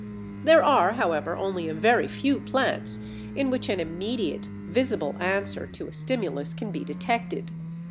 There are, however, only a very few plants in which an immediate, visible answer to a stimulus can be detected.